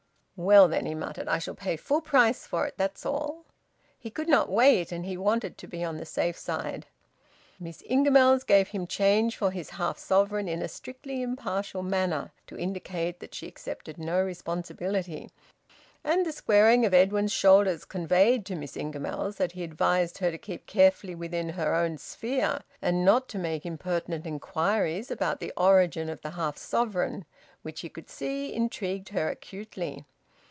"Well, then," he muttered, "I shall pay full price for it that's all." He could not wait, and he wanted to be on the safe side. Miss Ingamells gave him change for his half sovereign in a strictly impartial manner, to indicate that she accepted no responsibility. And the squaring of Edwin's shoulders conveyed to Miss Ingamells that he advised her to keep carefully within her own sphere, and not to make impertinent inquiries about the origin of the half sovereign, which he could see intrigued her acutely.